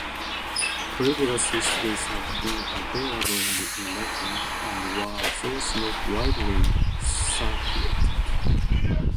Previous histories had been available only in Latin and were thus not widely circulated.